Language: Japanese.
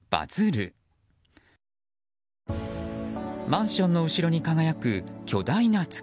マンションの後ろに輝く巨大な月。